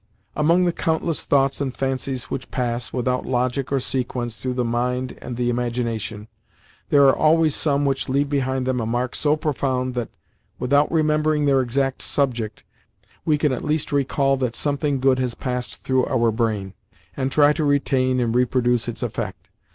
Among the countless thoughts and fancies which pass, without logic or sequence, through the mind and the imagination, there are always some which leave behind them a mark so profound that, without remembering their exact subject, we can at least recall that something good has passed through our brain, and try to retain and reproduce its effect.